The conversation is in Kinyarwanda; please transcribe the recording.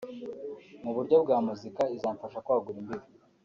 mu buryo bwa muzika izamfasha kwagura imbibi